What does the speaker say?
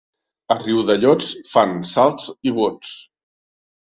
A Riudellots fan salts i bots.